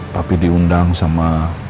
papi diundang sama